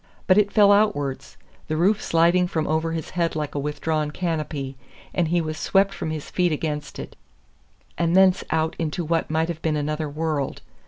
But it fell outwards, the roof sliding from over his head like a withdrawn canopy; and he was swept from his feet against it, and thence out into what might have been another world!